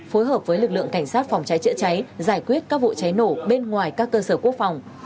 phối hợp với lực lượng cảnh sát phòng cháy chữa cháy giải quyết các vụ cháy nổ bên ngoài các cơ sở quốc phòng